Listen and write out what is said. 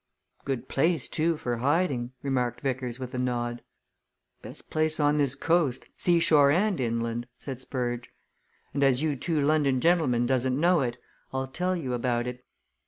"Good place, too, for hiding," remarked Vickers with a nod. "Best place on this coast seashore and inland," said Spurge. "And as you two London gentlemen doesn't know it, I'll tell you about it.